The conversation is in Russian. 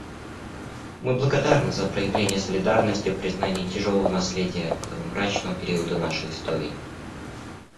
Мы благодарны за проявление солидарности в признании тяжелого наследия этого мрачного периода нашей истории.